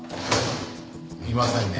いませんね。